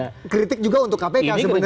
jadi kritik juga untuk kpk sebenarnya